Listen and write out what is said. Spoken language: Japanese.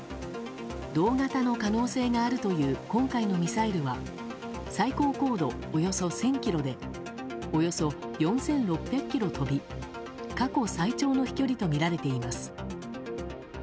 同型の可能性があるという今回のミサイルは最高高度およそ１０００ｋｍでおよそ４６００ｋｍ飛び過去最長の飛距離とみられています。